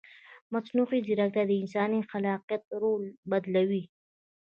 مصنوعي ځیرکتیا د انساني خلاقیت رول بدلوي.